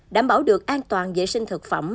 đảm bảo được an toàn vệ sinh thực phẩm